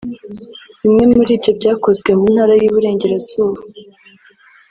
Bimwe muri byo byakozwe mu Ntara y’Iburengerazuba